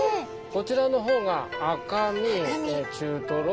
こちらの方が赤身中トロ